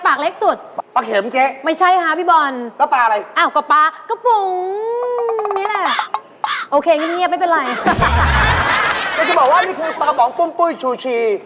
ผมจะบอกว่านี่คือปลาบอมก้มปุ้ยชูชี